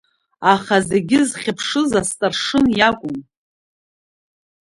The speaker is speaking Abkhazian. Аха зегьы зхьыԥшыз асҭаршын иакәын.